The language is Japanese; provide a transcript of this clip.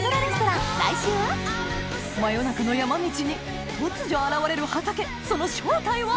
真夜中の山道に突如現れる畑その正体は？